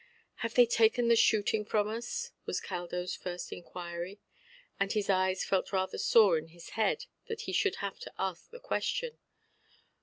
"Have they taken the shooting from us"? was Caldoʼs first inquiry; and his eyes felt rather sore in his head that he should have to ask the question.